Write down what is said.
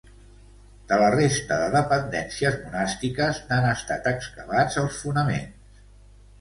De la resta de dependències monàstiques n'han estat excavats els fonaments.